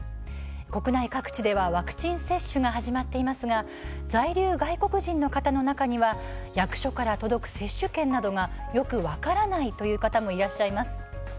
国内各地ではワクチン接種が始まっていますが在留外国人の方の中には役所から届く接種券などがよく分からないという方もいらっしゃいます。